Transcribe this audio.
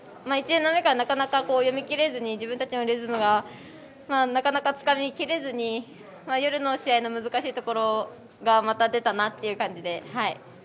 一連の中で、なかなか読み切れずに自分たちのリズムがなかなかつかみきれずに、夜の試合の難しいところがまた出たなという感じで。